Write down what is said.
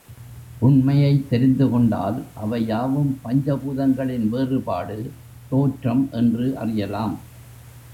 உண்மையைத் தெரிந்து கொண்டால் அவையாவும் பஞ்ச பூதங்களின் வேறுபாடு, தோற்றம் என்று அறியலாம்.